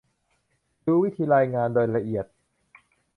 ดูวิธีรายงานโดยละเอียด